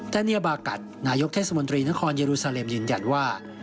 แต่เนียบากัดนายกเทศมนตรีนครเยอรูซาเลมยืนยันว่า